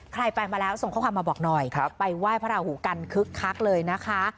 ใครไปมาแล้วส่งข้อความมาบอกหน่อยไปไหว้พระราหูกันคึกคักเลยนะคะ